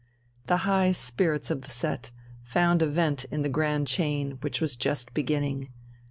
The high spirits of the set found a vent in the grand chain, which was just beginning.